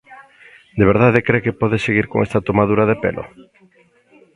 ¿De verdade cre que pode seguir con esta tomadura de pelo?